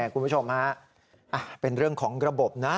คุณผู้ชมฮะเป็นเรื่องของระบบนะ